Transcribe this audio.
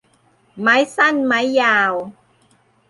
ไม้สั้นไม้ยาว